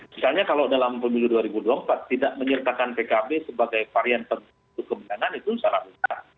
misalnya kalau dalam pemilu dua ribu dua puluh empat tidak menyertakan pkb sebagai varian penutup kebenaran itu salah satu